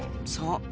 そう！